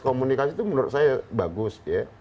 komunikasi itu menurut saya bagus ya